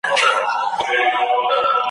شهنشاه یم د غرڅه وو د لښکرو ,